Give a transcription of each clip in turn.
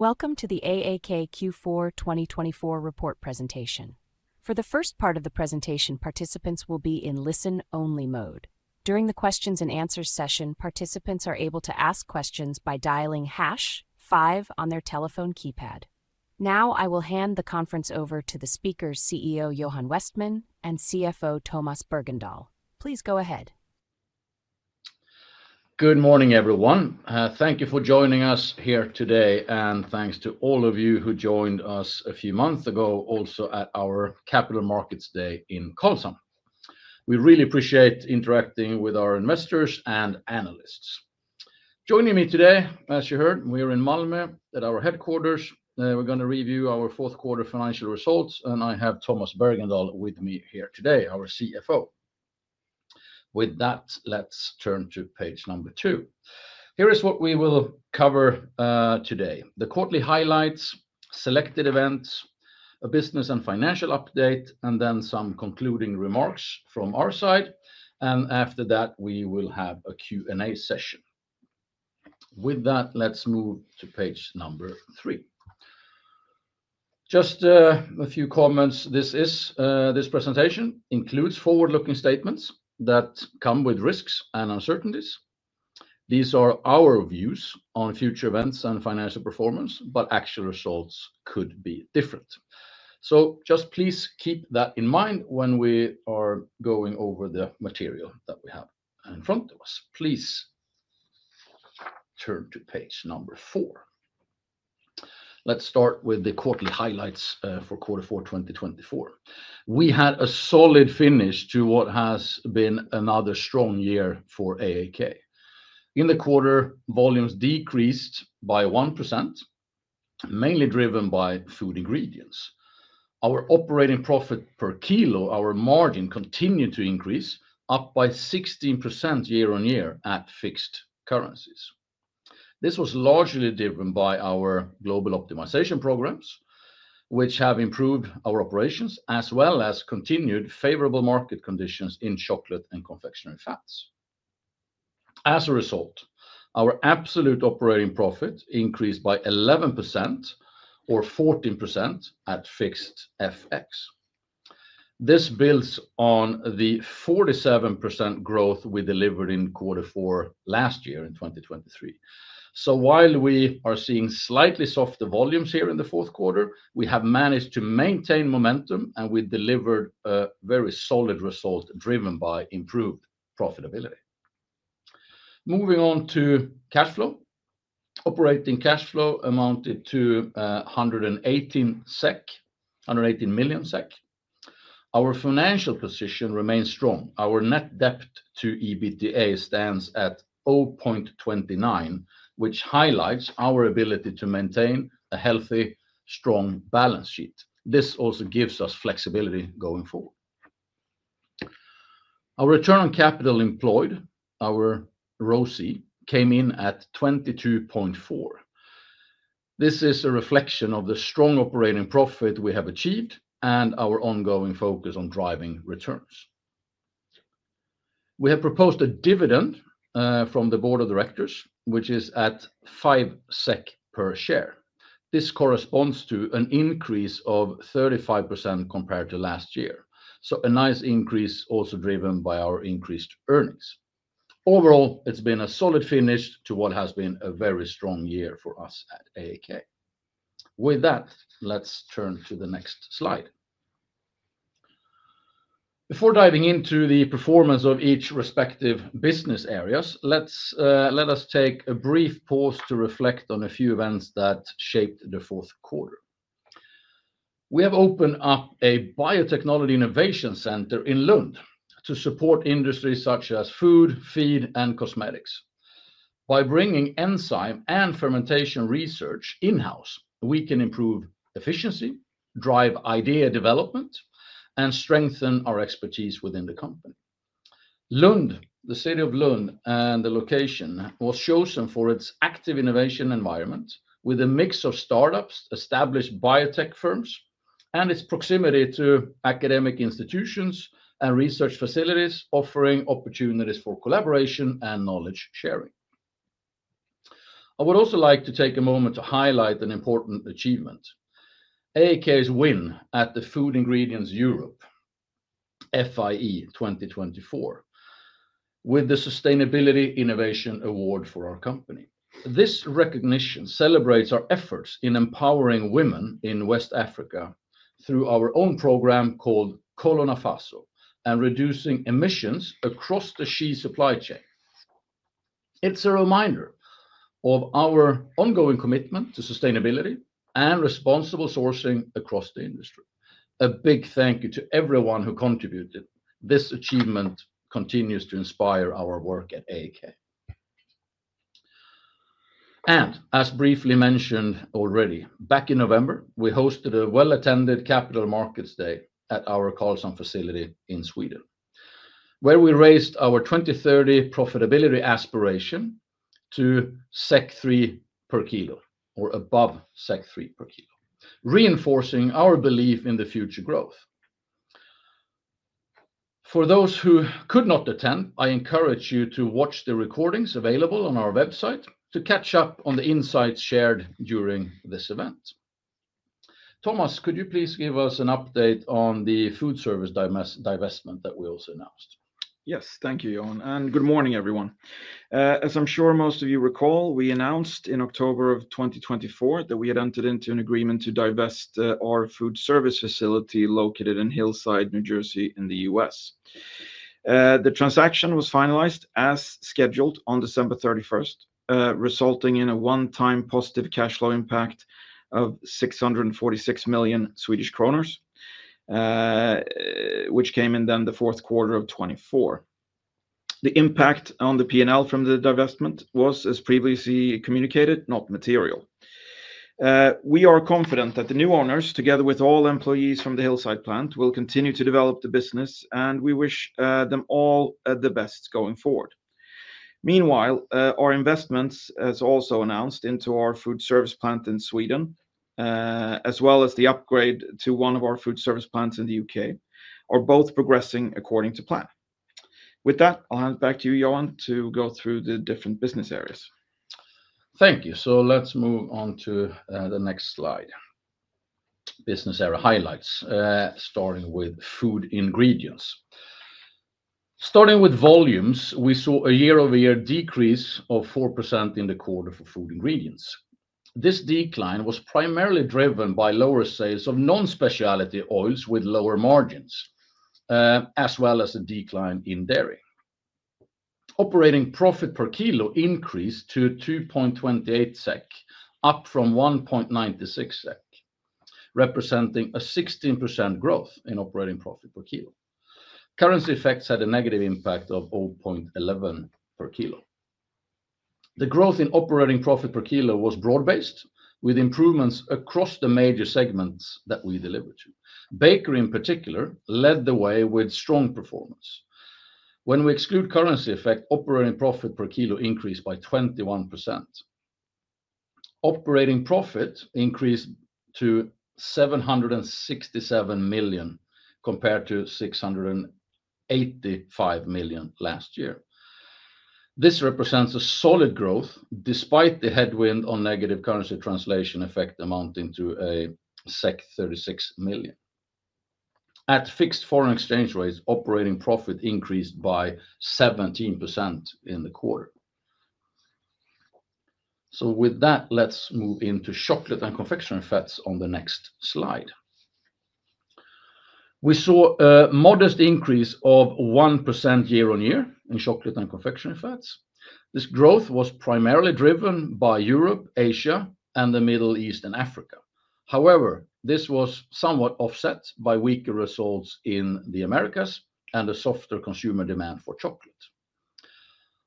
During the Q&A session, participants are able to ask questions by dialing hash five on their telephone keypad. Now, I will hand the conference over to the speakers, CEO Johan Westman and CFO Tomas Bergendahl. Please go ahead. Good morning, everyone. Thank you for joining us here today, and thanks to all of you who joined us a few months ago, also at our Capital Markets Day in Karlshamn. We really appreciate interacting with our investors and analysts. Joining me today, as you heard, we are in Malmö at our headquarters. We're going to review our fourth quarter financial results, and I have Tomas Bergendahl with me here today, our CFO. With that, let's turn to page number two. Here is what we will cover today: the quarterly highlights, selected events, a business and financial update, and then some concluding remarks from our side. And after that, we will have a Q&A session. With that, let's move to page number three. Just a few comments: this presentation includes forward-looking statements that come with risks and uncertainties. These are our views on future events and financial performance, but actual results could be different. So just please keep that in mind when we are going over the material that we have in front of us. Please turn to page number four. Let's start with the quarterly highlights for fourth quarter 2024. We had a solid finish to what has been another strong year for AAK. In the quarter, volumes decreased by 1%, mainly driven by Food Ingredients. Our operating profit per kilo, our margin, continued to increase, up by 16% year-on-year at fixed currencies. This was largely driven by our global optimization programs, which have improved our operations, as well as continued favorable market conditions in Chocolate and Confectionery Fats. As a result, our absolute operating profit increased by 11%, or 14%, at fixed FX. This builds on the 47% growth we delivered in fourth quarter last year in 2023. While we are seeing slightly softer volumes here in the fourth quarter, we have managed to maintain momentum, and we delivered a very solid result driven by improved profitability. Moving on to cash flow. Operating cash flow amounted to 118 million SEK. Our financial position remains strong. Our net debt to EBITDA stands at 0.29, which highlights our ability to maintain a healthy, strong balance sheet. This also gives us flexibility going forward. Our return on capital employed, our ROCE, came in at 22.4. This is a reflection of the strong operating profit we have achieved and our ongoing focus on driving returns. We have proposed a dividend from the board of directors, which is at 5 SEK per share. This corresponds to an increase of 35% compared to last year. So a nice increase, also driven by our increased earnings. Overall, it's been a solid finish to what has been a very strong year for us at AAK. With that, let's turn to the next slide. Before diving into the performance of each respective business areas, let us take a brief pause to reflect on a few events that shaped the fourth quarter. We have opened up a biotechnology innovation center in Lund to support industries such as food, feed, and cosmetics. By bringing enzyme and fermentation research in-house, we can improve efficiency, drive idea development, and strengthen our expertise within the company. Lund, the city of Lund and the location, was chosen for its active innovation environment with a mix of startups, established biotech firms, and its proximity to academic institutions and research facilities, offering opportunities for collaboration and knowledge sharing. I would also like to take a moment to highlight an important achievement: AAK's win at the Food Ingredients Europe FIE 2024 with the Sustainability Innovation Award for our company. This recognition celebrates our efforts in empowering women in West Africa through our own program called Kolo Nafaso and reducing emissions across the shea supply chain. It's a reminder of our ongoing commitment to sustainability and responsible sourcing across the industry. A big thank you to everyone who contributed. This achievement continues to inspire our work at AAK. As briefly mentioned already, back in November, we hosted a well-attended Capital Markets Day at our Karlshamn facility in Sweden, where we raised our 2030 profitability aspiration to 3 per kilo, or above 3 per kilo, reinforcing our belief in the future growth. For those who could not attend, I encourage you to watch the recordings available on our website to catch up on the insights shared during this event. Tomas, could you please give us an update on the Foodservice divestment that we also announced? Yes, thank you, Johan, and good morning, everyone. As I'm sure most of you recall, we announced in October of 2024 that we had entered into an agreement to divest our Foodservice facility located in Hillside, New Jersey, in the U.S. The transaction was finalized as scheduled on December 31st, resulting in a one-time positive cash flow impact of 646 million Swedish kronor, which came in then the fourth quarter of 2024. The impact on the P&L from the divestment was, as previously communicated, not material. We are confident that the new owners, together with all employees from the Hillside plant, will continue to develop the business, and we wish them all the best going forward. Meanwhile, our investments, as also announced into our Foodservice plant in Sweden, as well as the upgrade to one of our Foodservice plants in the U.K., are both progressing according to plan. With that, I'll hand it back to you, Johan, to go through the different business areas. Thank you, so let's move on to the next slide: business area highlights, starting with Food Ingredients. Starting with volumes, we saw a year-over-year decrease of 4% in the quarter for Food Ingredients. This decline was primarily driven by lower sales of non-specialty oils with lower margins, as well as a decline in dairy. Operating profit per kilo increased to 2.28 SEK, up from 1.96 SEK, representing a 16% growth in operating profit per kilo. Currency effects had a negative impact of 0.11 per kilo. The growth in operating profit per kilo was broad-based, with improvements across the major segments that we delivered to. Bakery, in particular, led the way with strong performance. When we exclude currency effect, operating profit per kilo increased by 21%. Operating profit increased to 767 million SEK compared to 685 million SEK last year. This represents a solid growth despite the headwind on negative currency translation effect amounting to a 36 million. At fixed foreign exchange rates, operating profit increased by 17% in the quarter. So with that, let's move into Chocolate and Confectionery Fats on the next slide. We saw a modest increase of 1% year-on-year in Chocolate and Confectionery Fats. This growth was primarily driven by Europe, Asia, and the Middle East and Africa. However, this was somewhat offset by weaker results in the Americas and a softer consumer demand for chocolate.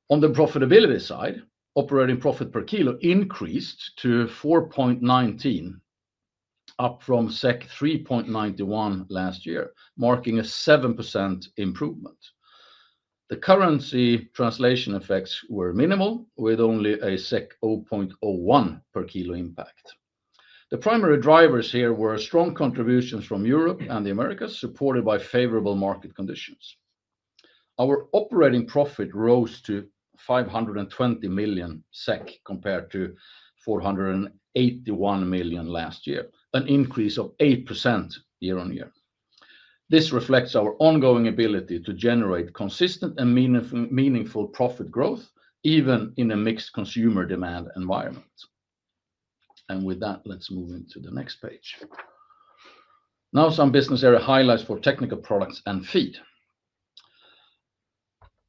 On the profitability side, operating profit per kilo increased to 4.19 SEK, up from 3.91 last year, marking a 7% improvement. The currency translation effects were minimal, with only a 0.01 per kilo impact. The primary drivers here were strong contributions from Europe and the Americas, supported by favorable market conditions. Our operating profit rose to 520 million SEK compared to 481 million SEK last year, an increase of 8% year-on-year. This reflects our ongoing ability to generate consistent and meaningful profit growth, even in a mixed consumer demand environment, and with that, let's move into the next page. Now, some business area highlights for Technical Products and Feed.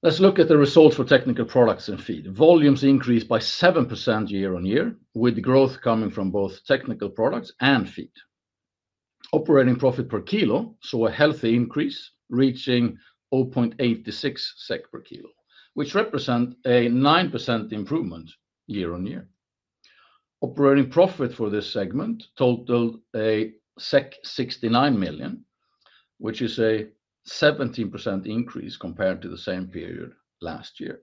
Let's look at the results for Technical Products and Feed. Volumes increased by 7% year-on-year, with growth coming from both technical products and feed. Operating profit per kilo saw a healthy increase, reaching 0.86 SEK per kilo, which represents a 9% improvement year-on-year. Operating profit for this segment totaled 69 million, which is a 17% increase compared to the same period last year.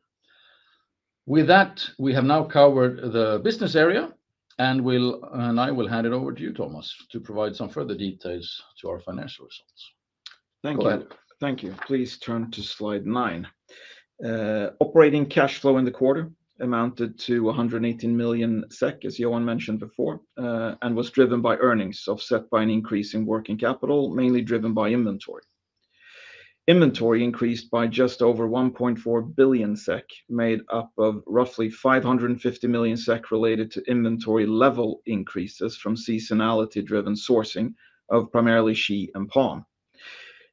With that, we have now covered the business area, and I will hand it over to you, Tomas, to provide some further details to our financial results. Thank you. Thank you. Please turn to slide nine. Operating cash flow in the quarter amounted to 118 million SEK, as Johan mentioned before, and was driven by earnings offset by an increase in working capital, mainly driven by inventory. Inventory increased by just over 1.4 billion SEK, made up of roughly 550 million SEK related to inventory level increases from seasonality-driven sourcing of primarily shea and palm.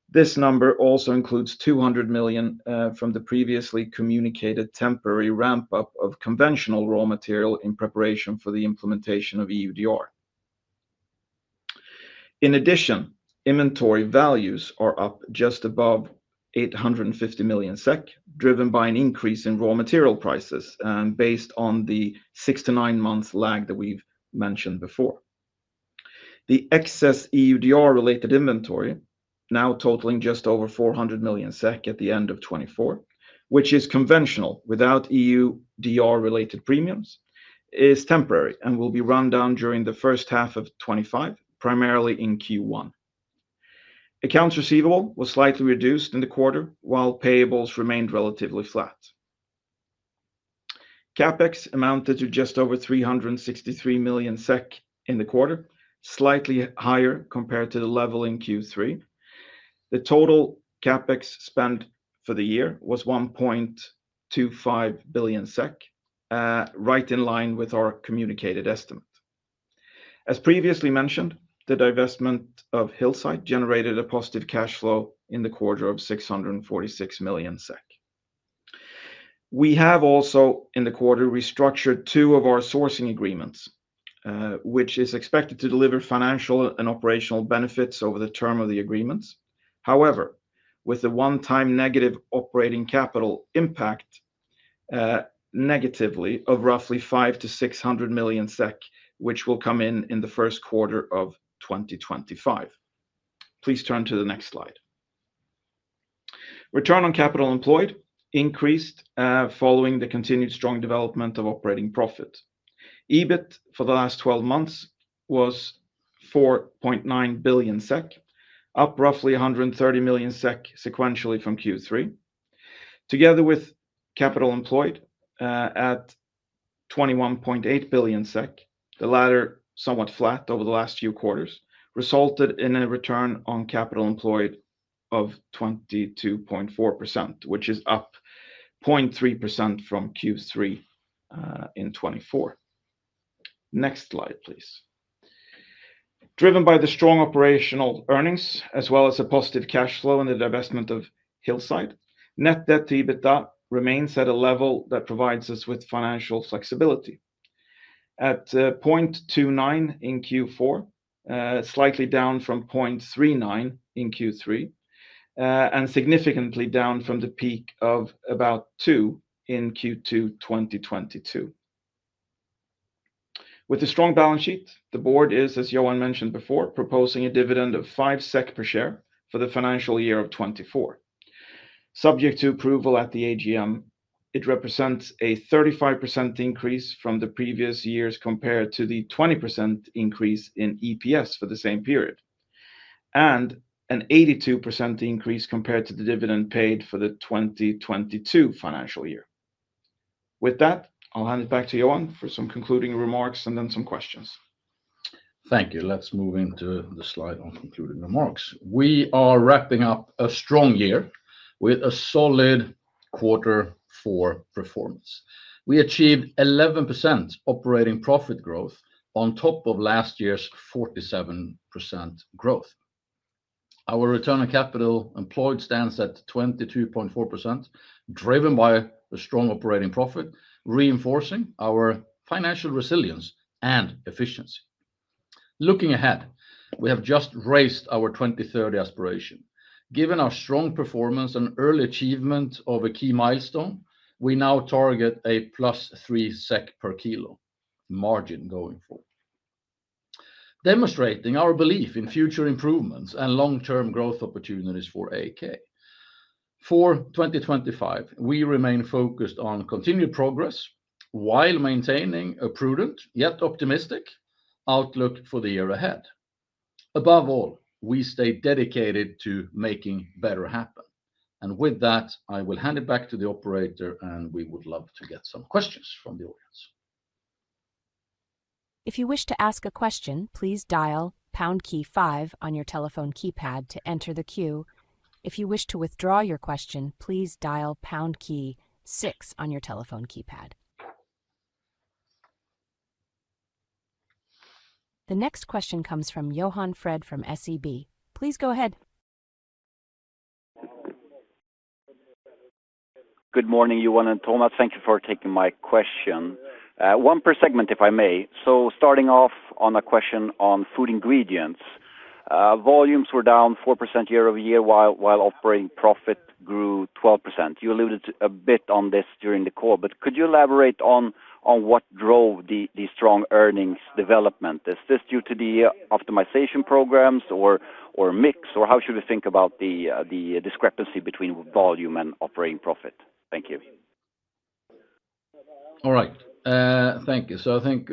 This number also includes 200 million from the previously communicated temporary ramp-up of conventional raw material in preparation for the implementation of EUDR. In addition, inventory values are up just above 850 million SEK, driven by an increase in raw material prices and based on the six to nine months lag that we've mentioned before. The excess EUDR-related inventory, now totaling just over 400 million SEK at the end of 2024, which is conventional without EUDR-related premiums, is temporary and will be run down during the first half of 2025, primarily in Q1. Accounts receivable was slightly reduced in the quarter, while payables remained relatively flat. CapEx amounted to just over 363 million SEK in the quarter, slightly higher compared to the level in Q3. The total CapEx spent for the year was 1.25 billion SEK, right in line with our communicated estimate. As previously mentioned, the divestment of Hillside generated a positive cash flow in the quarter of 646 million SEK. We have also in the quarter restructured two of our sourcing agreements, which is expected to deliver financial and operational benefits over the term of the agreements. However, with the one-time negative operating capital impact negatively of roughly 500 million-600 million SEK, which will come in the first quarter of 2025. Please turn to the next slide. Return on capital employed increased following the continued strong development of operating profit. EBIT for the last 12 months was 4.9 billion SEK, up roughly 130 million SEK sequentially from Q3. Together with capital employed at 21.8 billion SEK, the latter somewhat flat over the last few quarters, resulted in a return on capital employed of 22.4%, which is up 0.3% from Q3 in 2024. Next slide, please. Driven by the strong operational earnings, as well as a positive cash flow in the divestment of Hillside, net debt to EBITDA remains at a level that provides us with financial flexibility. At 0.29 in Q4, slightly down from 0.39 in Q3, and significantly down from the peak of about two in Q2 2022. With a strong balance sheet, the board is, as Johan mentioned before, proposing a dividend of 5 SEK per share for the financial year of 2024. Subject to approval at the AGM, it represents a 35% increase from the previous years compared to the 20% increase in EPS for the same period, and an 82% increase compared to the dividend paid for the 2022 financial year. With that, I'll hand it back to Johan for some concluding remarks and then some questions. Thank you. Let's move into the slide on concluding remarks. We are wrapping up a strong year with a solid quarter four performance. We achieved 11% operating profit growth on top of last year's 47% growth. Our return on capital employed stands at 22.4%, driven by the strong operating profit, reinforcing our financial resilience and efficiency. Looking ahead, we have just raised our 2030 aspiration. Given our strong performance and early achievement of a key milestone, we now target a plus 3 SEK per kilo margin going forward, demonstrating our belief in future improvements and long-term growth opportunities for AAK. For 2025, we remain focused on continued progress while maintaining a prudent yet optimistic outlook for the year ahead. Above all, we stay dedicated to making better happen. And with that, I will hand it back to the operator, and we would love to get some questions from the audience. If you wish to ask a question, please dial pound key five on your telephone keypad to enter the queue. If you wish to withdraw your question, please dial pound key six on your telephone keypad. The next question comes from Johan Fred from SEB. Please go ahead. Good morning, Johan and Tomas. Thank you for taking my question. One per segment, if I may. So starting off on a question on Food Ingredients, volumes were down 4% year-over-year while operating profit grew 12%. You alluded a bit to this during the call, but could you elaborate on what drove the strong earnings development? Is this due to the optimization programs or a mix, or how should we think about the discrepancy between volume and operating profit? Thank you. All right. Thank you. So I think,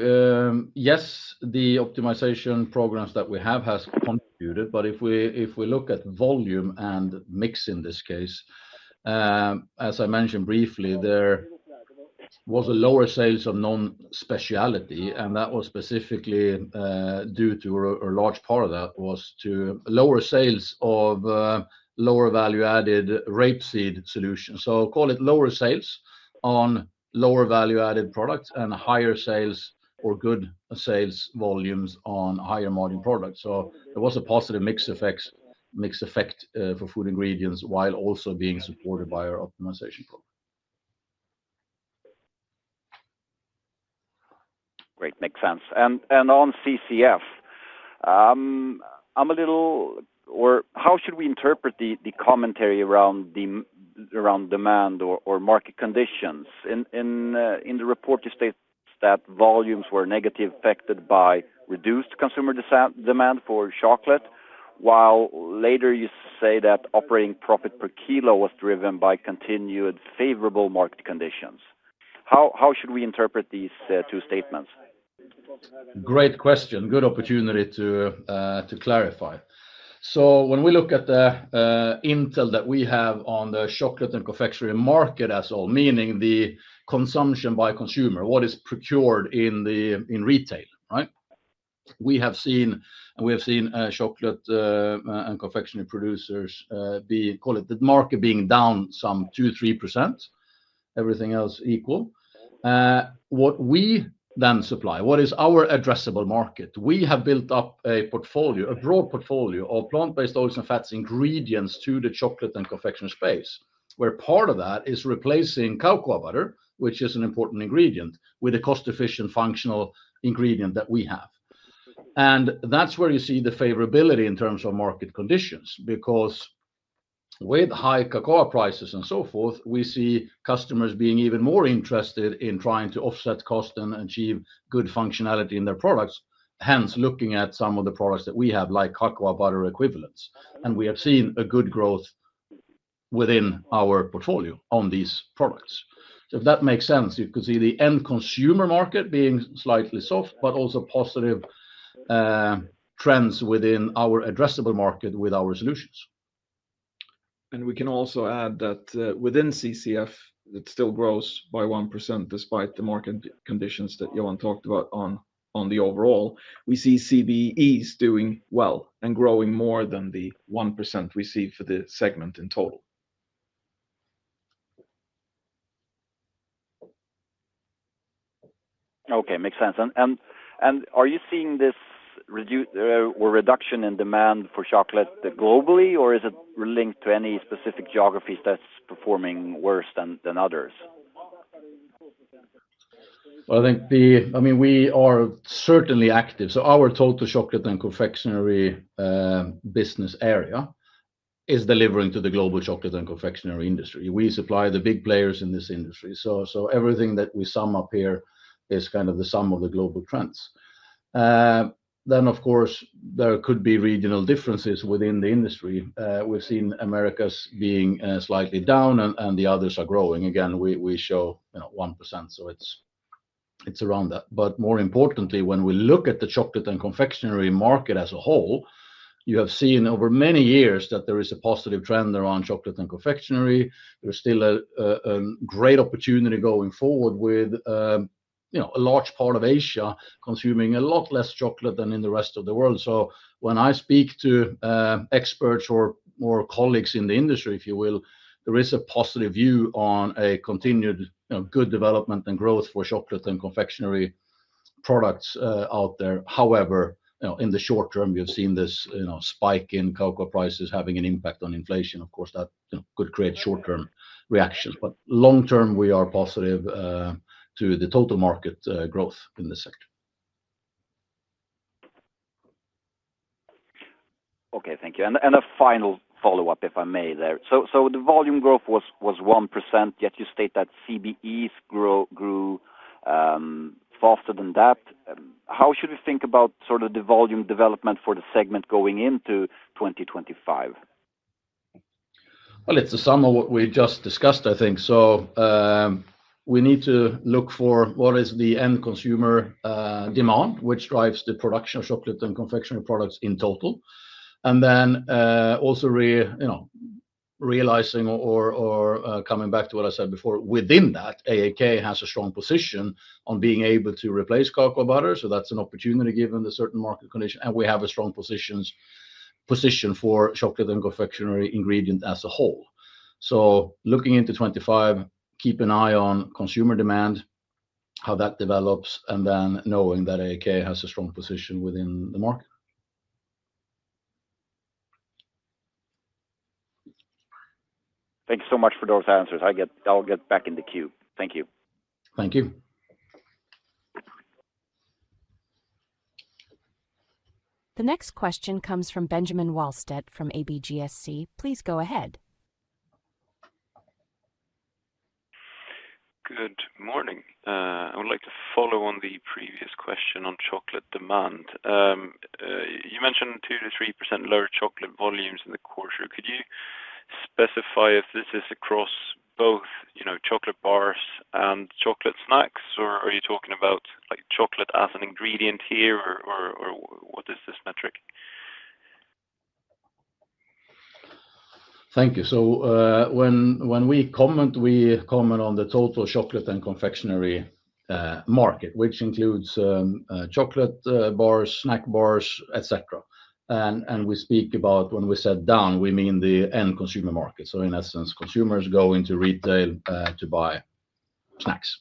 yes, the optimization programs that we have contributed, but if we look at volume and mix in this case, as I mentioned briefly, there was a lower sales of non-specialty, and that was specifically due to, or a large part of that was to lower sales of lower value-added rapeseed solutions. So call it lower sales on lower value-added products and higher sales or good sales volumes on higher margin products. So there was a positive mix effect for Food Ingredients while also being supported by our optimization program. Great. Makes sense. And on CCF, how should we interpret the commentary around demand or market conditions? In the report, you state that volumes were negatively affected by reduced consumer demand for chocolate, while later you say that operating profit per kilo was driven by continued favorable market conditions. How should we interpret these two statements? Great question. Good opportunity to clarify. So when we look at the intel that we have on the chocolate and confectionery market as a whole, meaning the consumption by consumer, what is procured in retail, right? We have seen chocolate and confectionery producers be, call it the market being down some 2%, 3%, everything else equal. What we then supply, what is our addressable market? We have built up a portfolio, a broad portfolio of plant-based oils and fats ingredients to the chocolate and confectionery space, where part of that is replacing cocoa butter, which is an important ingredient, with a cost-efficient functional ingredient that we have. That's where you see the favorability in terms of market conditions, because with high cocoa prices and so forth, we see customers being even more interested in trying to offset cost and achieve good functionality in their products, hence looking at some of the products that we have, like cocoa butter equivalents. We have seen a good growth within our portfolio on these products. If that makes sense, you could see the end consumer market being slightly soft, but also positive trends within our addressable market with our solutions. And we can also add that within CCF, it still grows by 1% despite the market conditions that Johan talked about on the overall. We see CBEs doing well and growing more than the 1% we see for the segment in total. Okay. Makes sense. And are you seeing this reduction in demand for chocolate globally, or is it linked to any specific geographies that's performing worse than others? I think, I mean, we are certainly active. So our total chocolate and confectionery business area is delivering to the global chocolate and confectionery industry. We supply the big players in this industry. So everything that we sum up here is kind of the sum of the global trends. Then, of course, there could be regional differences within the industry. We've seen Americas being slightly down, and the others are growing. Again, we show 1%, so it's around that. But more importantly, when we look at the chocolate and confectionery market as a whole, you have seen over many years that there is a positive trend around chocolate and confectionery. There's still a great opportunity going forward with a large part of Asia consuming a lot less chocolate than in the rest of the world. So when I speak to experts or colleagues in the industry, if you will, there is a positive view on a continued good development and growth for chocolate and confectionery products out there. However, in the short term, we have seen this spike in cocoa prices having an impact on inflation. Of course, that could create short-term reactions. But long-term, we are positive to the total market growth in this sector. Okay. Thank you. And a final follow-up, if I may there. So the volume growth was 1%, yet you state that CBEs grew faster than that. How should we think about sort of the volume development for the segment going into 2025? It's a sum of what we just discussed, I think. So we need to look for what is the end consumer demand, which drives the production of chocolate and confectionery products in total. And then also realizing, or coming back to what I said before, within that, AAK has a strong position on being able to replace cocoa butter. So that's an opportunity given the certain market condition. And we have a strong position for chocolate and confectionery ingredient as a whole. So looking into 2025, keep an eye on consumer demand, how that develops, and then knowing that AAK has a strong position within the market. Thanks so much for those answers. I'll get back in the queue. Thank you. Thank you. The next question comes from Benjamin Wahlstedt from ABG SC. Please go ahead. Good morning. I would like to follow on the previous question on chocolate demand. You mentioned 2%-3% lower chocolate volumes in the quarter. Could you specify if this is across both chocolate bars and chocolate snacks, or are you talking about chocolate as an ingredient here, or what is this metric? Thank you. So when we comment, we comment on the total chocolate and confectionery market, which includes chocolate bars, snack bars, etc. And we speak about when we say down, we mean the end consumer market. So in essence, consumers go into retail to buy snacks.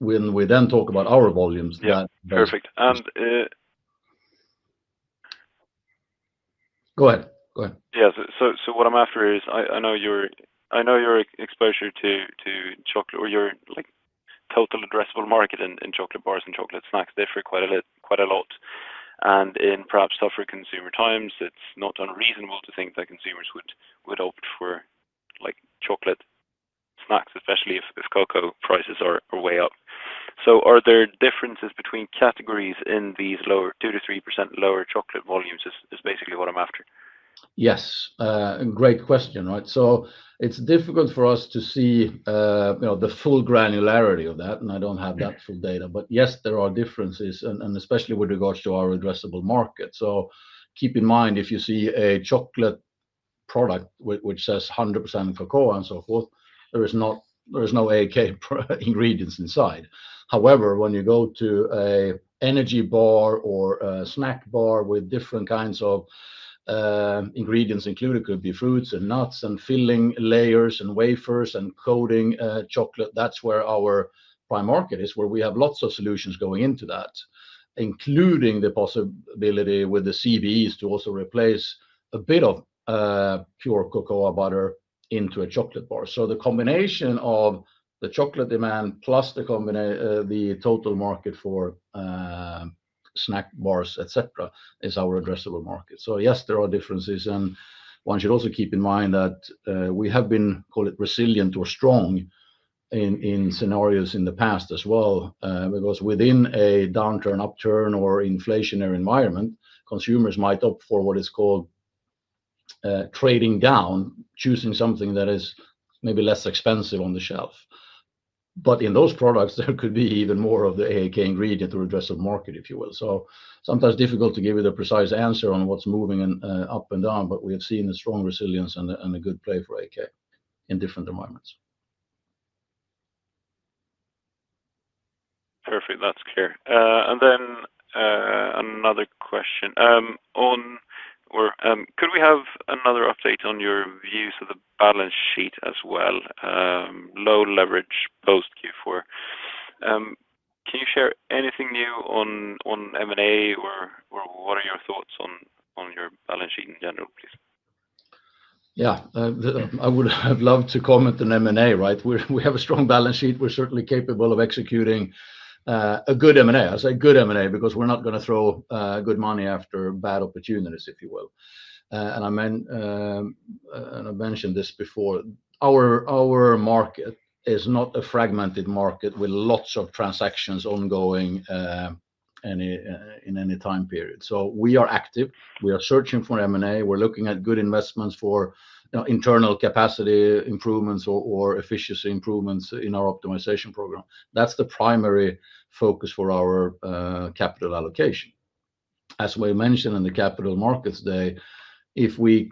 When we then talk about our volumes. Perfect. And. Go ahead. Go ahead. Yes. So what I'm after is I know your exposure to chocolate, or your total addressable market in chocolate bars and chocolate snacks differ quite a lot. And in perhaps tougher consumer times, it's not unreasonable to think that consumers would opt for chocolate snacks, especially if cocoa prices are way up. So are there differences between categories in these 2%-3% lower chocolate volumes, is basically what I'm after? Yes. Great question, right? So it's difficult for us to see the full granularity of that, and I don't have that full data. But yes, there are differences, and especially with regards to our addressable market. So keep in mind, if you see a chocolate product which says 100% cocoa and so forth, there are no AAK ingredients inside. However, when you go to an energy bar or a snack bar with different kinds of ingredients included, it could be fruits and nuts and filling layers and wafers and coating chocolate, that's where our prime market is, where we have lots of solutions going into that, including the possibility with the CBEs to also replace a bit of pure cocoa butter into a chocolate bar. So the combination of the chocolate demand plus the total market for snack bars, etc., is our addressable market. So yes, there are differences. One should also keep in mind that we have been called it resilient or strong in scenarios in the past as well, because within a downturn, upturn, or inflationary environment, consumers might opt for what is called trading down, choosing something that is maybe less expensive on the shelf. In those products, there could be even more of the AAK ingredient or addressable market, if you will. Sometimes difficult to give you the precise answer on what's moving up and down, but we have seen a strong resilience and a good play for AAK in different environments. Perfect. That's clear. And then another question. Could we have another update on your views of the balance sheet as well? Low leverage post Q4. Can you share anything new on M&A or what are your thoughts on your balance sheet in general, please? Yeah. I would have loved to comment on M&A, right? We have a strong balance sheet. We're certainly capable of executing a good M&A. I say good M&A because we're not going to throw good money after bad opportunities, if you will. And I mentioned this before. Our market is not a fragmented market with lots of transactions ongoing in any time period. So we are active. We are searching for M&A. We're looking at good investments for internal capacity improvements or efficiency improvements in our optimization program. That's the primary focus for our capital allocation. As we mentioned in the Capital Markets Day, if we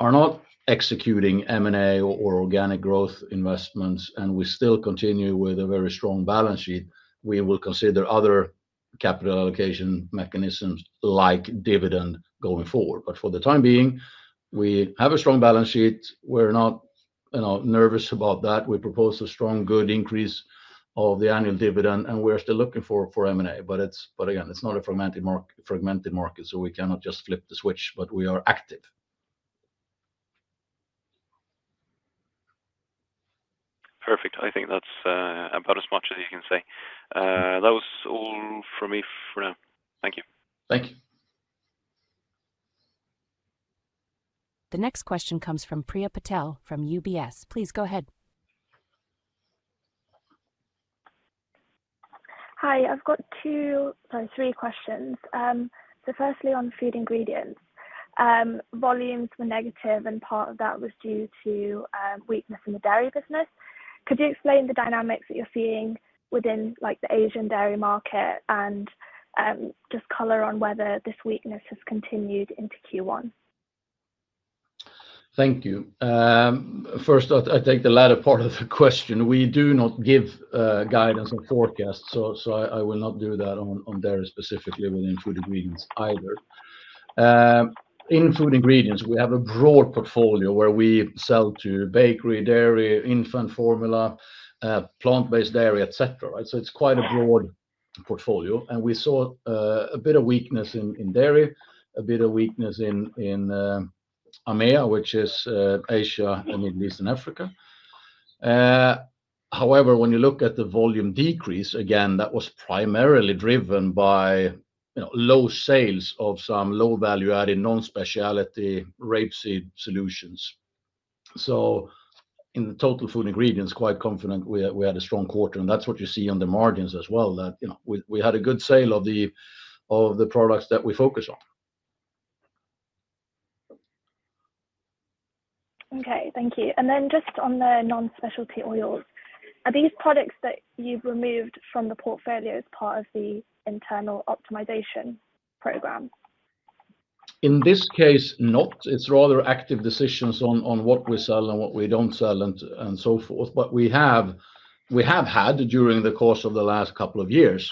are not executing M&A or organic growth investments and we still continue with a very strong balance sheet, we will consider other capital allocation mechanisms like dividend going forward. But for the time being, we have a strong balance sheet. We're not nervous about that. We propose a strong, good increase of the annual dividend, and we're still looking for M&A. But again, it's not a fragmented market, so we cannot just flip the switch, but we are active. Perfect. I think that's about as much as you can say. That was all from me for now. Thank you. Thank you. The next question comes from Priya Patel from UBS. Please go ahead. Hi. I've got two or three questions. So firstly, on Food Ingredients. Volumes were negative, and part of that was due to weakness in the dairy business. Could you explain the dynamics that you're seeing within the Asian dairy market and just color on whether this weakness has continued into Q1? Thank you. First, I take the latter part of the question. We do not give guidance or forecasts, so I will not do that on dairy specifically within Food Ingredients either. In Food Ingredients, we have a broad portfolio where we sell to bakery, dairy, infant formula, plant-based dairy, etc., right, so it's quite a broad portfolio, and we saw a bit of weakness in dairy, a bit of weakness in AMEA, which is Asia and Middle East and Africa. However, when you look at the volume decrease, again, that was primarily driven by low sales of some low-value-added non-specialty rapeseed solutions, so in the total Food Ingredients, quite confident we had a strong quarter, and that's what you see on the margins as well, that we had a good sale of the products that we focus on. Okay. Thank you, and then just on the non-specialty oils, are these products that you've removed from the portfolio as part of the internal optimization program? In this case, not. It's rather active decisions on what we sell and what we don't sell and so forth. But we have had, during the course of the last couple of years,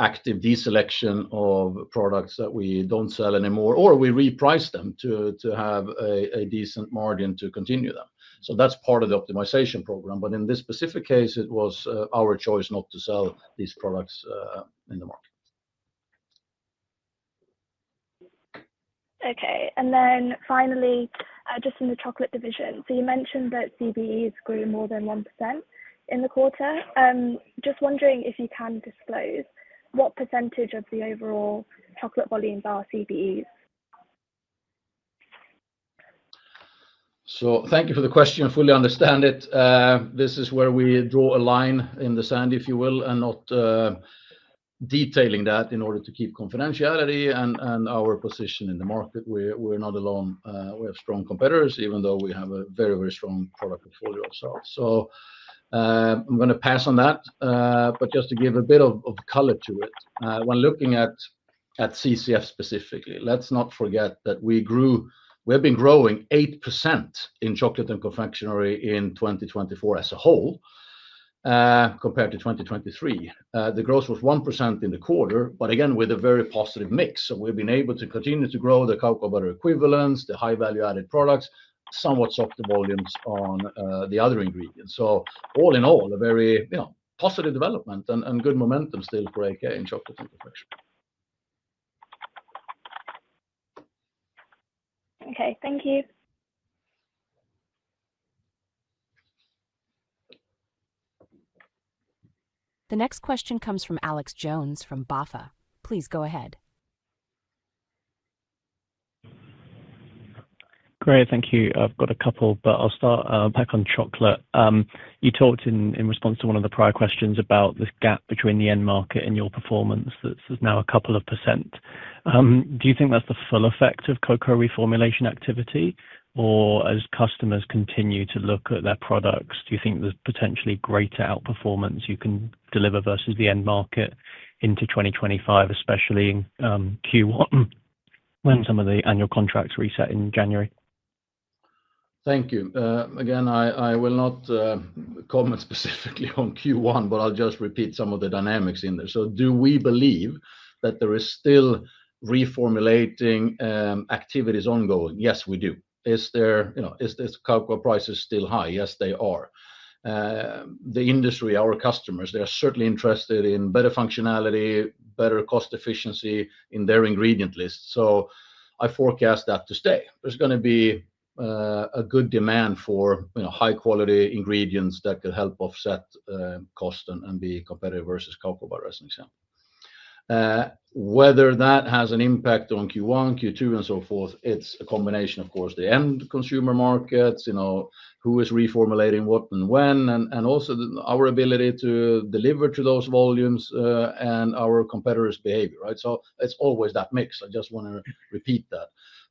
active deselection of products that we don't sell anymore, or we reprice them to have a decent margin to continue them. So that's part of the optimization program. But in this specific case, it was our choice not to sell these products in the market. Okay. And then finally, just in the chocolate division, so you mentioned that CBEs grew more than 1% in the quarter. Just wondering if you can disclose what percentage of the overall chocolate volumes are CBEs? So thank you for the question. I fully understand it. This is where we draw a line in the sand, if you will, and not detailing that in order to keep confidentiality and our position in the market. We're not alone. We have strong competitors, even though we have a very, very strong product portfolio ourselves. So I'm going to pass on that. But just to give a bit of color to it, when looking at CCF specifically, let's not forget that we grew, we have been growing 8% in chocolate and confectionery in 2024 as a whole compared to 2023. The growth was 1% in the quarter, but again, with a very positive mix. So we've been able to continue to grow the cocoa butter equivalents, the high-value-added products, somewhat softer volumes on the other ingredients. So all in all, a very positive development and good momentum still for AAK in chocolate and confectionery. Okay. Thank you. The next question comes from Alex Jones from BofA. Please go ahead. Great. Thank you. I've got a couple, but I'll start back on chocolate. You talked in response to one of the prior questions about this gap between the end market and your performance that's now a couple of percent. Do you think that's the full effect of cocoa reformulation activity, or as customers continue to look at their products, do you think there's potentially greater outperformance you can deliver versus the end market into 2025, especially in Q1 when some of the annual contracts reset in January? Thank you. Again, I will not comment specifically on Q1, but I'll just repeat some of the dynamics in there. So do we believe that there is still reformulating activities ongoing? Yes, we do. Is this cocoa prices still high? Yes, they are. The industry, our customers, they are certainly interested in better functionality, better cost efficiency in their ingredient list. So I forecast that to stay. There's going to be a good demand for high-quality ingredients that could help offset cost and be competitive versus cocoa butter, as an example. Whether that has an impact on Q1, Q2, and so forth, it's a combination, of course, the end consumer markets, who is reformulating what and when, and also our ability to deliver to those volumes and our competitors' behavior, right? So it's always that mix. I just want to repeat that.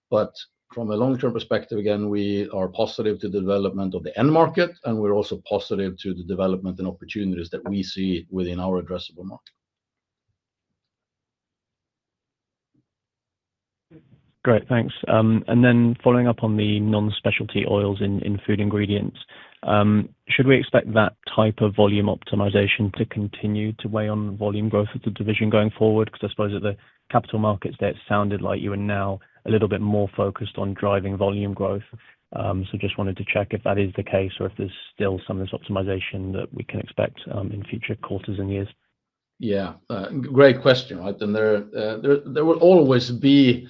But from a long-term perspective, again, we are positive to the development of the end market, and we're also positive to the development and opportunities that we see within our addressable market. Great. Thanks. And then following up on the non-specialty oils in Food Ingredients, should we expect that type of volume optimization to continue to weigh on volume growth of the division going forward? Because I suppose at the capital markets day, it sounded like you were now a little bit more focused on driving volume growth. So just wanted to check if that is the case or if there's still some of this optimization that we can expect in future quarters and years? Yeah. Great question, right? And there will always be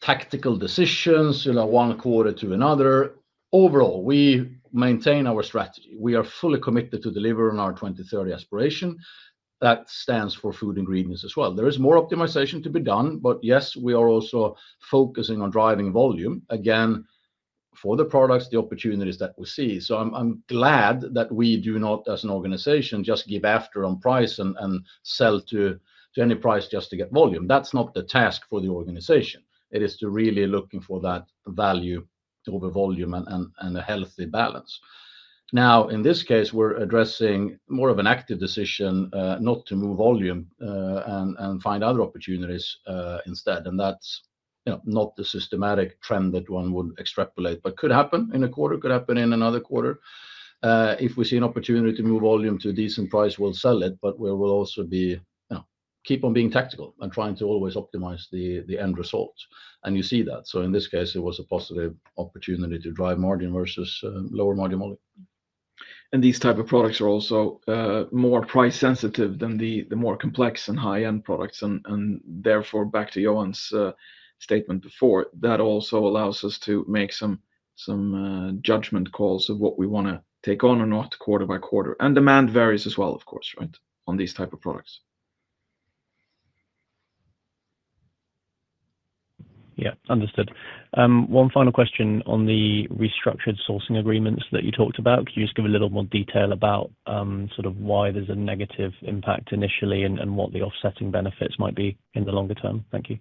tactical decisions one quarter to another. Overall, we maintain our strategy. We are fully committed to deliver on our 2030 aspiration. That stands for Food Ingredients as well. There is more optimization to be done, but yes, we are also focusing on driving volume, again, for the products, the opportunities that we see. So I'm glad that we do not, as an organization, just give in on price and sell to any price just to get volume. That's not the task for the organization. It is to really looking for that value over volume and a healthy balance. Now, in this case, we're addressing more of an active decision not to move volume and find other opportunities instead. And that's not the systematic trend that one would extrapolate, but could happen in a quarter, could happen in another quarter. If we see an opportunity to move volume to a decent price, we'll sell it, but we will also keep on being tactical and trying to always optimize the end result. And you see that. So in this case, it was a positive opportunity to drive margin versus lower margin volume. And these types of products are also more price-sensitive than the more complex and high-end products. And therefore, back to Johan's statement before, that also allows us to make some judgment calls of what we want to take on or not quarter by quarter. And demand varies as well, of course, right, on these types of products. Yeah. Understood. One final question on the restructured sourcing agreements that you talked about. Could you just give a little more detail about sort of why there's a negative impact initially and what the offsetting benefits might be in the longer term? Thank you.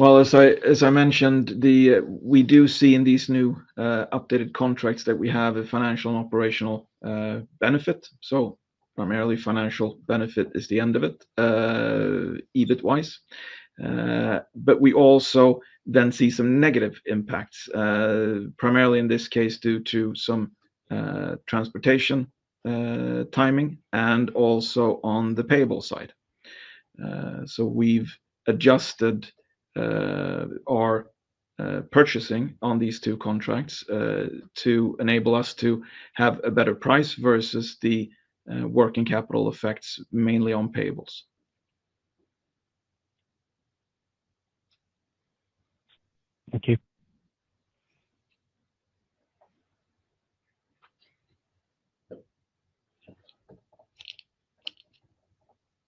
As I mentioned, we do see in these new updated contracts that we have a financial and operational benefit. So primarily financial benefit is the end of it, EBIT-wise. But we also then see some negative impacts, primarily in this case due to some transportation timing and also on the payable side. So we've adjusted our purchasing on these two contracts to enable us to have a better price versus the working capital effects mainly on payables. Thank you.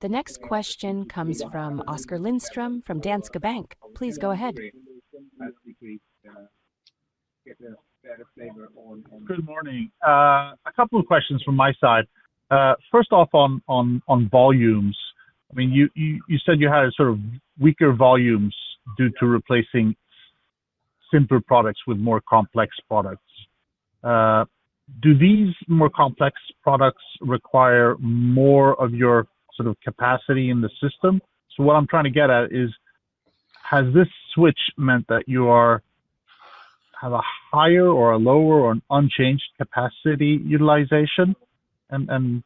The next question comes from Oskar Lindström from Danske Bank. Please go ahead. Good morning. A couple of questions from my side. First off, on volumes, I mean, you said you had sort of weaker volumes due to replacing simpler products with more complex products. Do these more complex products require more of your sort of capacity in the system? So what I'm trying to get at is, has this switch meant that you have a higher or a lower or an unchanged capacity utilization? And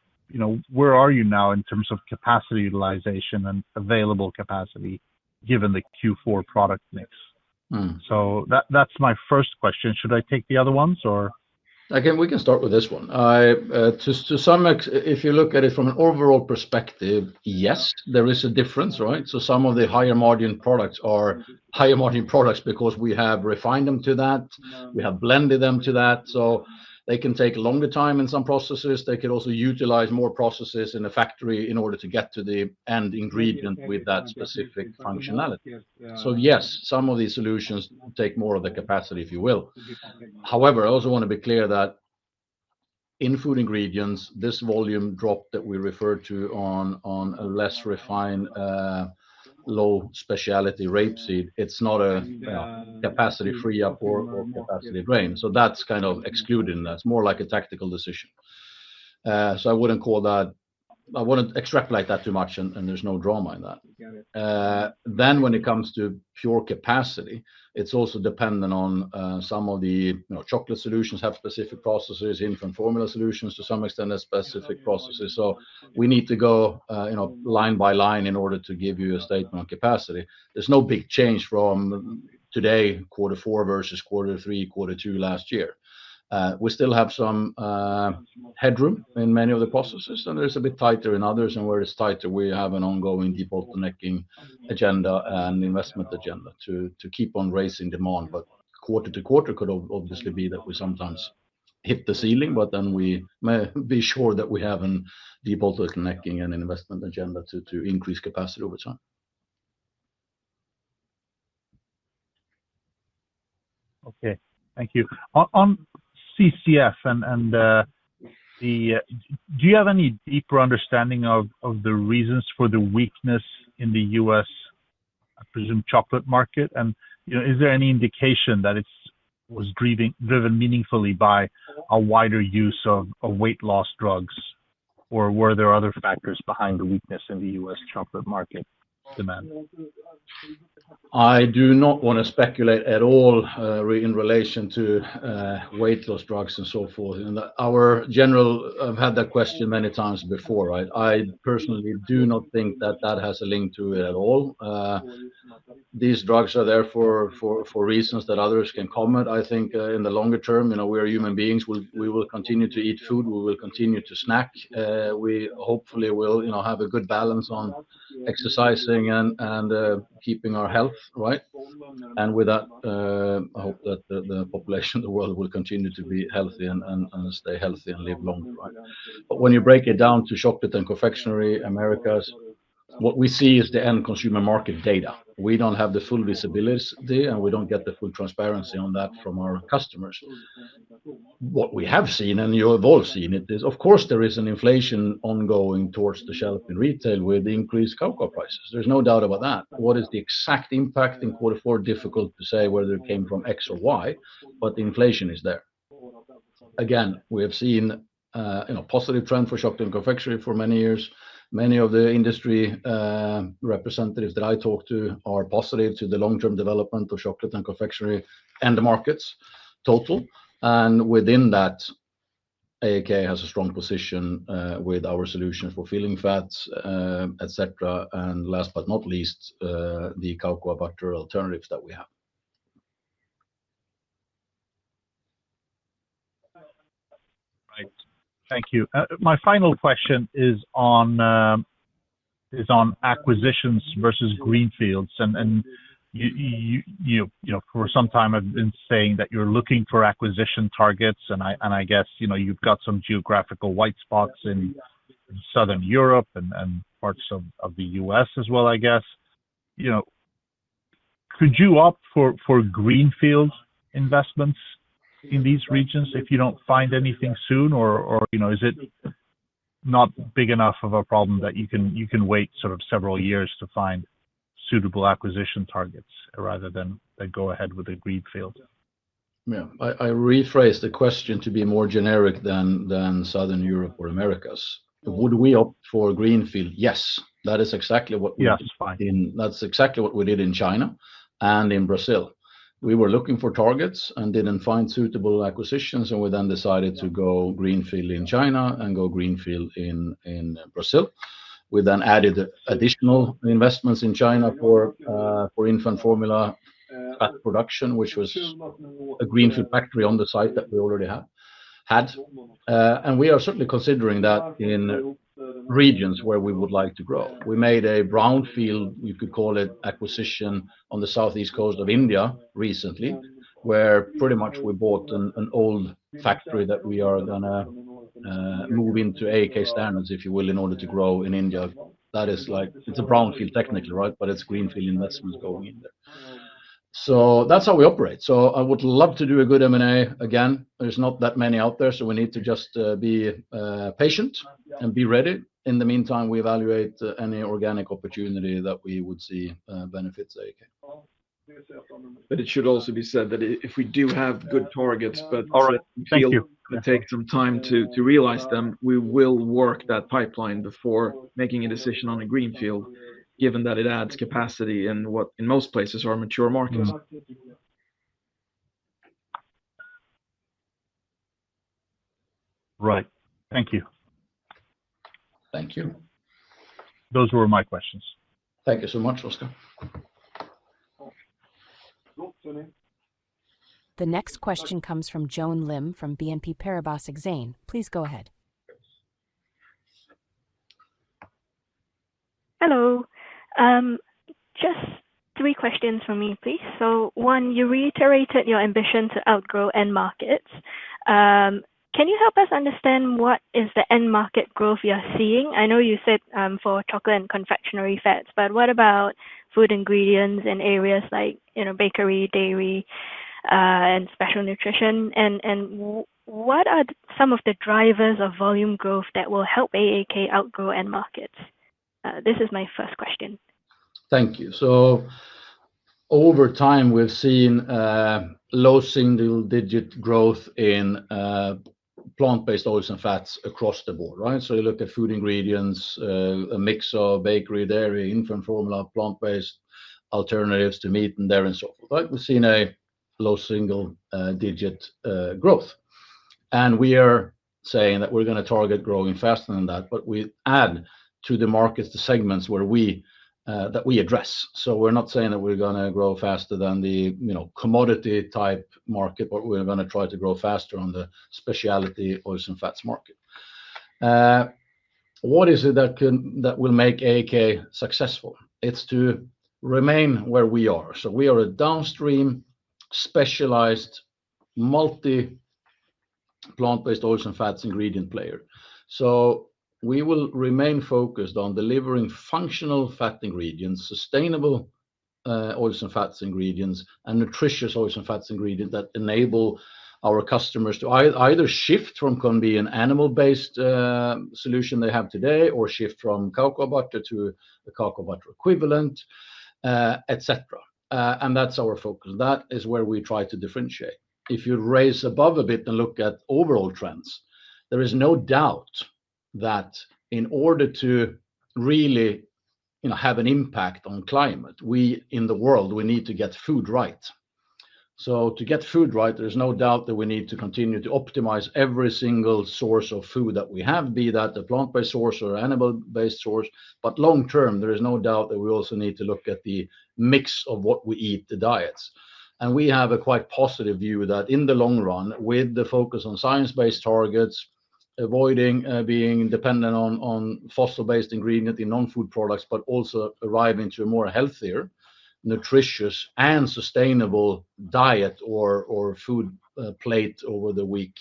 where are you now in terms of capacity utilization and available capacity given the Q4 product mix? So that's my first question. Should I take the other ones, or? Again, we can start with this one. To some extent, if you look at it from an overall perspective, yes, there is a difference, right? So some of the higher margin products are higher margin products because we have refined them to that. We have blended them to that. So they can take longer time in some processes. They could also utilize more processes in a factory in order to get to the end ingredient with that specific functionality. So yes, some of these solutions take more of the capacity, if you will. However, I also want to be clear that in Food Ingredients, this volume drop that we refer to on a less refined, low specialty rapeseed, it's not a capacity free-up or capacity drain. So that's kind of excluded. That's more like a tactical decision. So I wouldn't call that. I wouldn't extrapolate that too much, and there's no drama in that. Then when it comes to pure capacity, it's also dependent on some of the chocolate solutions have specific processes. Infant formula solutions, to some extent have specific processes. So we need to go line by line in order to give you a statement on capacity. There's no big change from today, quarter four versus quarter three, quarter two last year. We still have some headroom in many of the processes, and there's a bit tighter in others. And where it's tighter, we have an ongoing debottlenecking agenda and investment agenda to keep on raising demand. But quarter to quarter could obviously be that we sometimes hit the ceiling, but then we may be sure that we have a debottlenecking and investment agenda to increase capacity over time. Okay. Thank you. On CCF, do you have any deeper understanding of the reasons for the weakness in the U.S., I presume, chocolate market? And is there any indication that it was driven meaningfully by a wider use of weight loss drugs, or were there other factors behind the weakness in the U.S. chocolate market demand? I do not want to speculate at all in relation to weight loss drugs and so forth, and I've had that question many times before, right? I personally do not think that that has a link to it at all. These drugs are there for reasons that others can comment. I think in the longer term, we are human beings. We will continue to eat food. We will continue to snack. We hopefully will have a good balance on exercising and keeping our health, right? And with that, I hope that the population of the world will continue to be healthy and stay healthy and live longer, right, but when you break it down to Chocolate and Confectionery Americas, what we see is the end consumer market data. We don't have the full visibility, and we don't get the full transparency on that from our customers. What we have seen, and you have all seen it, is of course there is an inflation ongoing towards the shelf in retail with the increased cocoa prices. There's no doubt about that. What is the exact impact in quarter four? Difficult to say whether it came from X or Y, but the inflation is there. Again, we have seen a positive trend for chocolate and confectionery for many years. Many of the industry representatives that I talk to are positive to the long-term development of chocolate and confectionery and the markets total, and within that, AAK has a strong position with our solution for filling fats, etc. Last but not least, the cocoa butter alternatives that we have. Right. Thank you. My final question is on acquisitions versus greenfields, and for some time, I've been saying that you're looking for acquisition targets, and I guess you've got some geographical white spots in Southern Europe and parts of the U.S. as well, I guess. Could you opt for greenfield investments in these regions if you don't find anything soon, or is it not big enough of a problem that you can wait sort of several years to find suitable acquisition targets rather than go ahead with a greenfield? Yeah. I rephrase the question to be more generic than Southern Europe or Americas. Would we opt for greenfield? Yes. That is exactly what we did. That's exactly what we did in China and in Brazil. We were looking for targets and didn't find suitable acquisitions, and we then decided to go greenfield in China and go greenfield in Brazil. We then added additional investments in China for infant formula production, which was a greenfield factory on the site that we already had. And we are certainly considering that in regions where we would like to grow. We made a brownfield, you could call it, acquisition on the southeast coast of India recently, where pretty much we bought an old factory that we are going to move into AAK standards, if you will, in order to grow in India. That is like, it's a brownfield technically, right? But it's greenfield investments going in there. So that's how we operate. So I would love to do a good M&A again. There's not that many out there, so we need to just be patient and be ready. In the meantime, we evaluate any organic opportunity that we would see benefits AAK. But it should also be said that if we do have good targets. Allright, Thank you. takes some time to realize them, we will work that pipeline before making a decision on a greenfield, given that it adds capacity in what in most places are mature markets. Right. Thank you. Thank you. Those were my questions. Thank you so much, Oscar. The next question comes from Joan Lim from BNP Paribas Exane. Please go ahead. Hello. Just three questions for me, please. So one, you reiterated your ambition to outgrow end markets. Can you help us understand what is the end market growth you're seeing? I know you said for Chocolate and Confectionery Fats, but what about Food Ingredients in areas like bakery, dairy, and special nutrition? And what are some of the drivers of volume growth that will help AAK outgrow end markets? This is my first question. Thank you, so over time, we've seen low single-digit growth in plant-based oils and fats across the board, right? So you look at Food Ingredients, a mix of bakery, dairy, infant formula, plant-based alternatives to meat and dairy and so forth, right? We've seen a low single-digit growth, and we are saying that we're going to target growing faster than that, but we add to the markets the segments that we address, so we're not saying that we're going to grow faster than the commodity-type market, but we're going to try to grow faster on the specialty oils and fats market. What is it that will make AAK successful? It's to remain where we are, so we are a downstream specialized multi-plant-based oils and fats ingredient player. So we will remain focused on delivering functional fat ingredients, sustainable oils and fats ingredients, and nutritious oils and fats ingredients that enable our customers to either shift from convenient animal-based solution they have today or shift from cocoa butter to the cocoa butter equivalent, etc. And that's our focus. That is where we try to differentiate. If you raise above a bit and look at overall trends, there is no doubt that in order to really have an impact on climate, in the world, we need to get food right. So to get food right, there is no doubt that we need to continue to optimize every single source of food that we have, be that a plant-based source or an animal-based source. But long term, there is no doubt that we also need to look at the mix of what we eat, the diets. We have a quite positive view that in the long run, with the focus on science-based targets, avoiding being dependent on fossil-based ingredients in non-food products, but also arriving to a more healthier, nutritious, and sustainable diet or food plate over the week,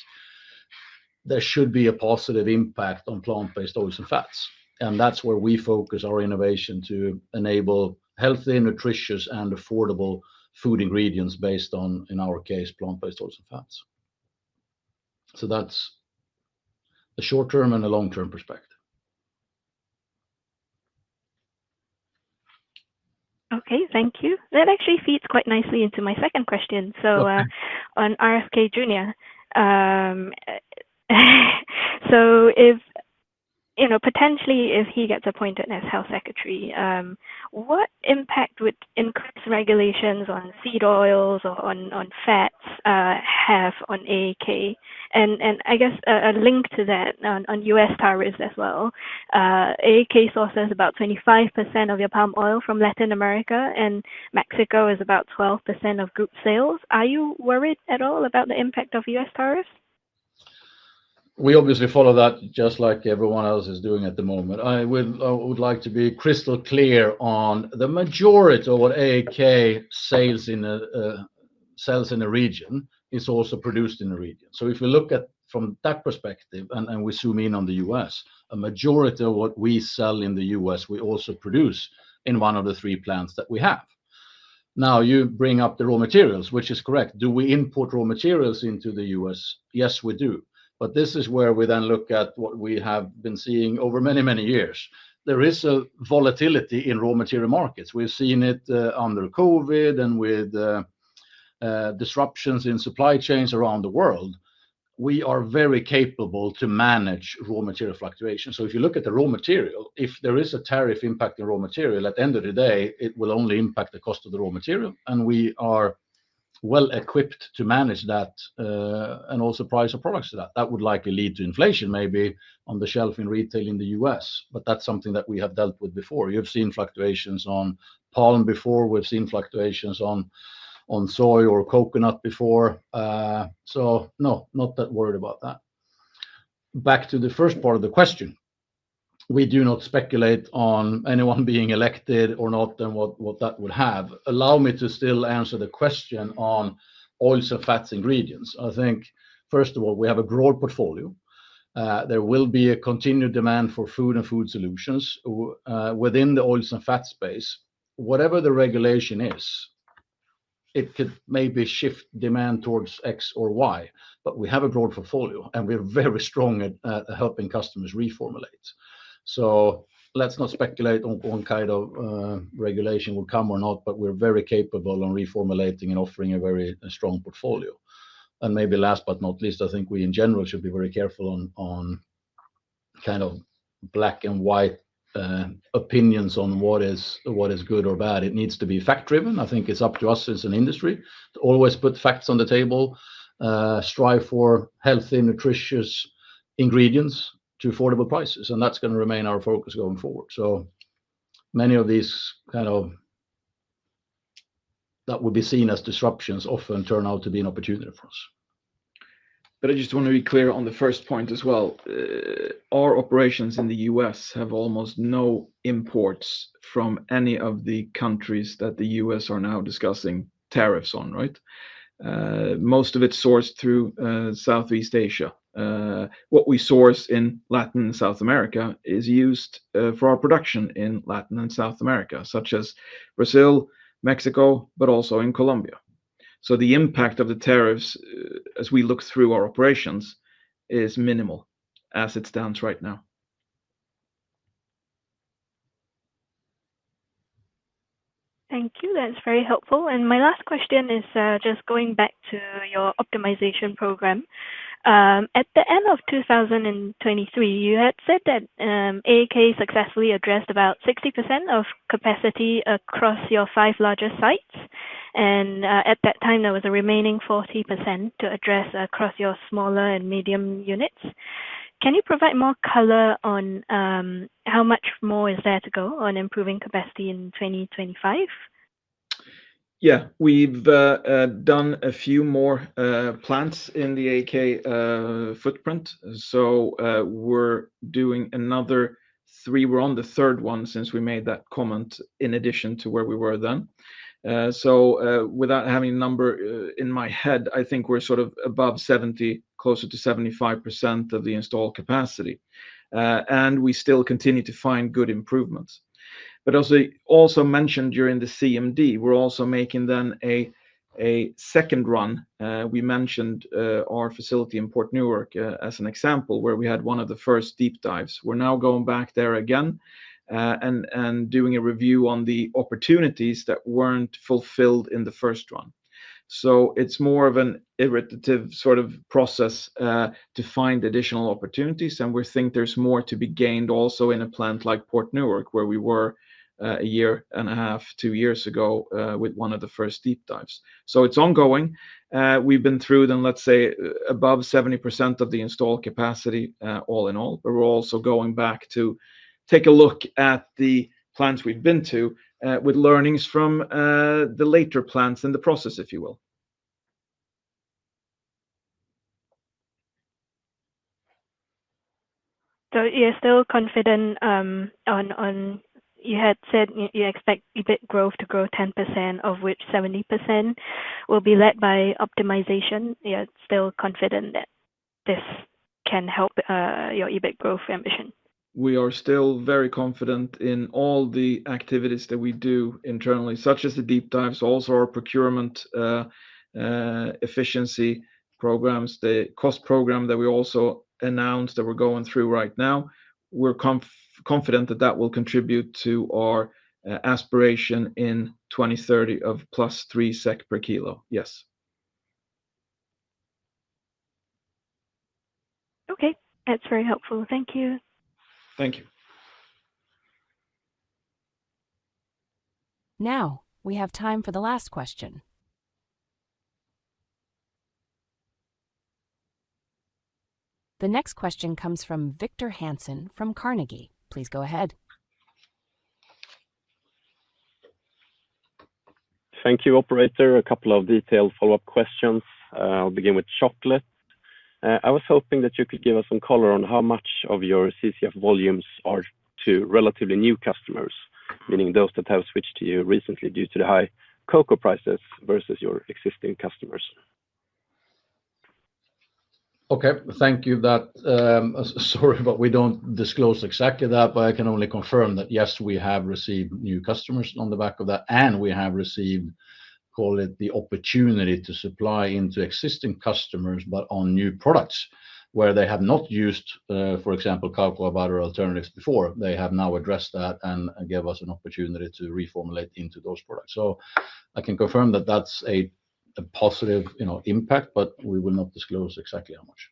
there should be a positive impact on plant-based oils and fats. That's where we focus our innovation to enable healthy, nutritious, and affordable Food Ingredients based on, in our case, plant-based oils and fats. That's the short-term and the long-term perspective. Okay. Thank you. That actually feeds quite nicely into my second question. So on RFK Jr., so potentially if he gets appointed as health secretary, what impact would increased regulations on seed oils or on fats have on AAK? And I guess a link to that on U.S. tariffs as well. AAK sources about 25% of your palm oil from Latin America, and Mexico is about 12% of group sales. Are you worried at all about the impact of U.S. tariffs? We obviously follow that just like everyone else is doing at the moment. I would like to be crystal clear on the majority of what AAK sells in the region is also produced in the region. So if we look at from that perspective, and we zoom in on the U.S., a majority of what we sell in the U.S., we also produce in one of the three plants that we have. Now, you bring up the raw materials, which is correct. Do we import raw materials into the U.S.? Yes, we do. But this is where we then look at what we have been seeing over many, many years. There is a volatility in raw material markets. We've seen it under COVID and with disruptions in supply chains around the world. We are very capable to manage raw material fluctuations. So if you look at the raw material, if there is a tariff impact on raw material, at the end of the day, it will only impact the cost of the raw material. And we are well equipped to manage that and also price our products to that. That would likely lead to inflation maybe on the shelf in retail in the U.S., but that's something that we have dealt with before. You've seen fluctuations on palm before. We've seen fluctuations on soy or coconut before. So no, not that worried about that. Back to the first part of the question. We do not speculate on anyone being elected or not and what that would have. Allow me to still answer the question on oils and fats ingredients. I think, first of all, we have a broad portfolio. There will be a continued demand for food and food solutions within the oils and fats space. Whatever the regulation is, it could maybe shift demand towards X or Y, but we have a broad portfolio, and we're very strong at helping customers reformulate. So let's not speculate on what kind of regulation will come or not, but we're very capable of reformulating and offering a very strong portfolio. And maybe last but not least, I think we in general should be very careful on kind of black and white opinions on what is good or bad. It needs to be fact-driven. I think it's up to us as an industry to always put facts on the table, strive for healthy, nutritious ingredients to affordable prices. And that's going to remain our focus going forward. So many of these kinds of things that would be seen as disruptions often turn out to be an opportunity for us. But I just want to be clear on the first point as well. Our operations in the U.S. have almost no imports from any of the countries that the U.S. are now discussing tariffs on, right? Most of it's sourced through Southeast Asia. What we source in Latin and South America is used for our production in Latin and South America, such as Brazil, Mexico, but also in Colombia. So the impact of the tariffs as we look through our operations is minimal as it stands right now. Thank you. That's very helpful. And my last question is just going back to your optimization program. At the end of 2023, you had said that AAK successfully addressed about 60% of capacity across your five largest sites. And at that time, there was a remaining 40% to address across your smaller and medium units. Can you provide more color on how much more is there to go on improving capacity in 2025? Yeah. We've done a few more plants in the AAK footprint. So, we're doing another three. We're on the third one since we made that comment in addition to where we were then. So, without having a number in my head, I think we're sort of above 70%, closer to 75% of the installed capacity. And we still continue to find good improvements. But, also mentioned during the CMD, we're also making then a second run. We mentioned our facility in Port Newark as an example where we had one of the first deep dives. We're now going back there again and doing a review on the opportunities that weren't fulfilled in the first run. So, it's more of an iterative sort of process to find additional opportunities. And we think there's more to be gained also in a plant like Port Newark where we were a year and a half, two years ago with one of the first deep dives. So it's ongoing. We've been through then, let's say, above 70% of the installed capacity all in all. But we're also going back to take a look at the plants we've been to with learnings from the later plants and the process, if you will. So you're still confident on you had said you expect EBIT growth to grow 10%, of which 70% will be led by optimization. You're still confident that this can help your EBIT growth ambition? We are still very confident in all the activities that we do internally, such as the deep dives, also our procurement efficiency programs, the cost program that we also announced that we're going through right now. We're confident that that will contribute to our aspiration in 2030 of plus three SEK per kilo. Yes. Okay. That's very helpful. Thank you. Thank you. Now we have time for the last question. The next question comes from Victor Hansen from Carnegie. Please go ahead. Thank you, Operator. A couple of detailed follow-up questions. I'll begin with chocolate. I was hoping that you could give us some color on how much of your CCF volumes are to relatively new customers, meaning those that have switched to you recently due to the high cocoa prices versus your existing customers. Okay. Thank you. Sorry, but we don't disclose exactly that, but I can only confirm that yes, we have received new customers on the back of that. And we have received, call it the opportunity to supply into existing customers, but on new products where they have not used, for example, cocoa butter alternatives before. They have now addressed that and gave us an opportunity to reformulate into those products. So I can confirm that that's a positive impact, but we will not disclose exactly how much.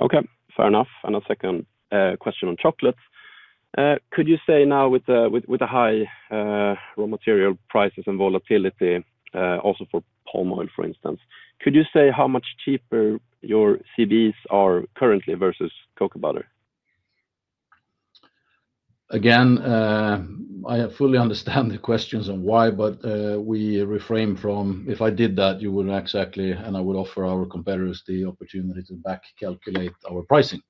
Okay. Fair enough. And a second question on chocolates. Could you say now with the high raw material prices and volatility, also for palm oil, for instance, could you say how much cheaper your CBEs are currently versus cocoa butter? Again, I fully understand the questions on why, but we refrain from if I did that, you wouldn't exactly, and I would offer our competitors the opportunity to back-calculate our pricing.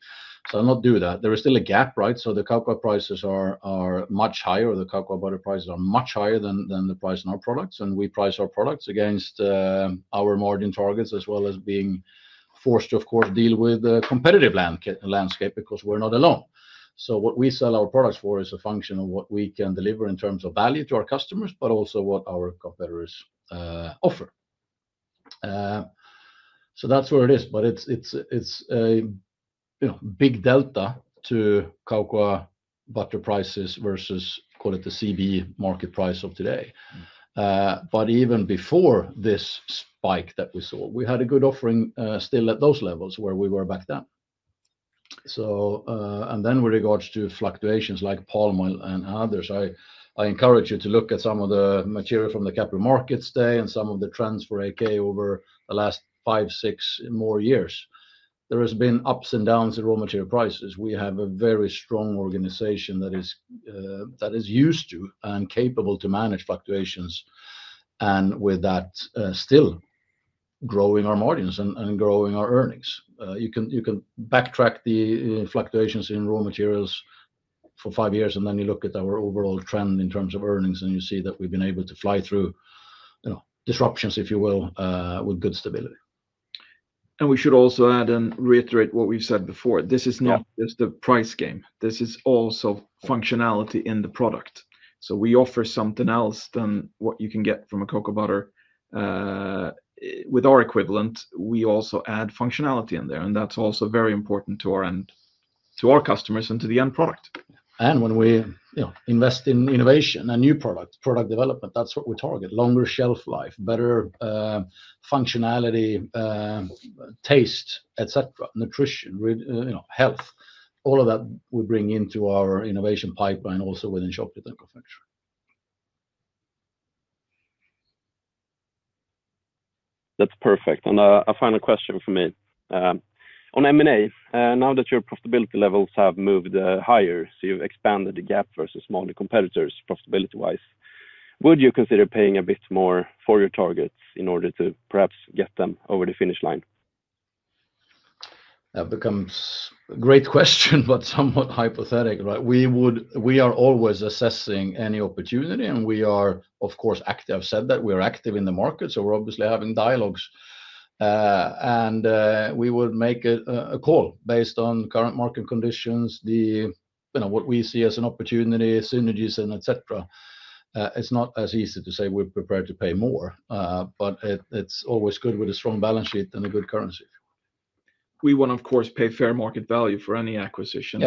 So I'll not do that. There is still a gap, right? So the cocoa prices are much higher. The cocoa butter prices are much higher than the price in our products. And we price our products against our margin targets as well as being forced to, of course, deal with the competitive landscape because we're not alone. So what we sell our products for is a function of what we can deliver in terms of value to our customers, but also what our competitors offer. So that's where it is. But it's a big delta to cocoa butter prices versus, call it the CBE market price of today. But even before this spike that we saw, we had a good offering still at those levels where we were back then. And then with regards to fluctuations like palm oil and others, I encourage you to look at some of the material from the Capital Markets Day and some of the trends for AAK over the last five, six or more years. There have been ups and downs in raw material prices. We have a very strong organization that is used to and capable to manage fluctuations and with that still growing our margins and growing our earnings. You can backtrack the fluctuations in raw materials for five years, and then you look at our overall trend in terms of earnings, and you see that we've been able to fly through disruptions, if you will, with good stability. We should also add and reiterate what we've said before. This is not just a price game. This is also functionality in the product. We offer something else than what you can get from a cocoa butter. With our equivalent, we also add functionality in there. That's also very important to our end, to our customers, and to the end product. When we invest in innovation and new products, product development, that's what we target: longer shelf life, better functionality, taste, etc., nutrition, health, all of that we bring into our innovation pipeline also within Chocolate and Confectionery Fats. That's perfect, and a final question for me. On M&A, now that your profitability levels have moved higher, so you've expanded the gap versus smaller competitors profitability-wise, would you consider paying a bit more for your targets in order to perhaps get them over the finish line? That becomes a great question, but somewhat hypothetic, right? We are always assessing any opportunity, and we are, of course, active. I've said that we are active in the market, so we're obviously having dialogues, and we would make a call based on current market conditions, what we see as an opportunity, synergies, and etc. It's not as easy to say we're prepared to pay more, but it's always good with a strong balance sheet and a good currency. We want, of course, to pay fair market value for any acquisition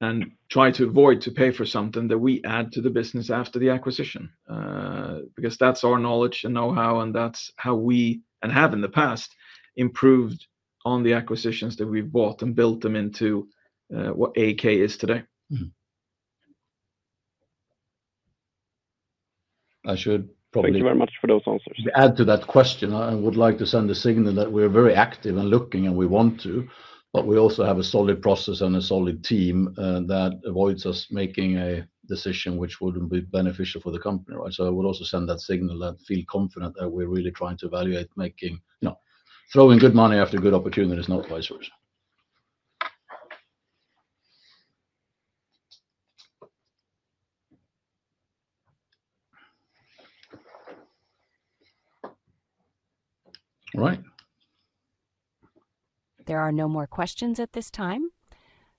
and try to avoid paying for something that we add to the business after the acquisition because that's our knowledge and know-how, and that's how we have in the past improved on the acquisitions that we've bought and built them into what AAK is today. I should probably. Thank you very much for those answers. To add to that question, I would like to send a signal that we're very active and looking, and we want to, but we also have a solid process and a solid team that avoids us making a decision which wouldn't be beneficial for the company, right? So I would also send that signal that feel confident that we're really trying to evaluate making-throwing good money after good opportunities, not vice versa. All right. There are no more questions at this time.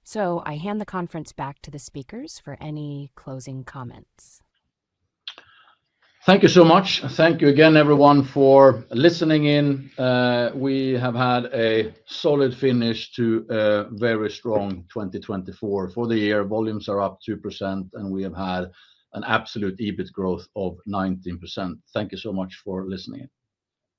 So I hand the conference back to the speakers for any closing comments. Thank you so much. Thank you again, everyone, for listening in. We have had a solid finish to a very strong 2024 for the year. Volumes are up 2%, and we have had an absolute EBIT growth of 19%. Thank you so much for listening in.